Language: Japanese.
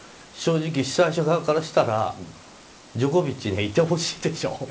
正直、主催者側からしたらジョコビッチにいてほしいでしょ。